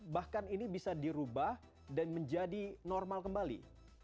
bahkan ini bisa dirubah dan menjadi normal kembali